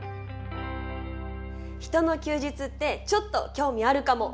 人の休日ってちょっと興味あるかも。